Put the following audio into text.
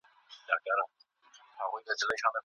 حقیقت تل بریا ته رسیږي.